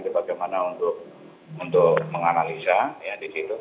bagaimana untuk menganalisa ya di situ